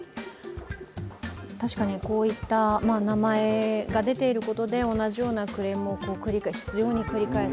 確かにこういった名前が出ていることで同じようなクレームを執ように繰り返す。